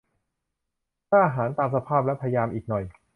"กล้าหาญตามสภาพและพยายามอีกหน่อย"